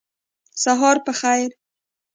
سهار په خیر !